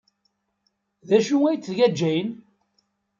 D acu ay d-tga Jane?